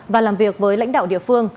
và làm việc với lãnh đạo địa phương